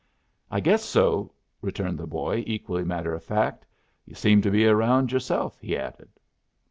"I guess so," returned the boy, equally matter of fact. "Yu' seem to be around yourself," he added.